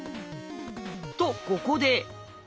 とここで。